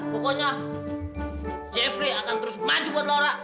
pokoknya jafri akan terus maju buat laura